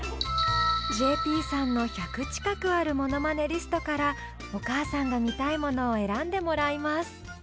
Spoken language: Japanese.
ＪＰさんの１００近くあるモノマネリストからお母さんが見たいものを選んでもらいます